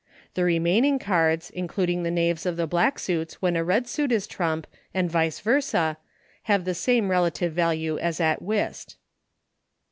The remaining cards, including the Knaves of the black, suits when a red suit is trump, and vice versa, have the same relative value as at Whist.